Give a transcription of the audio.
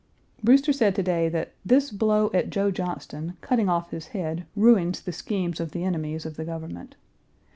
Brewster said to day that this "blow at Joe Johnston, cutting off his head, ruins the schemes of the enemies of the government.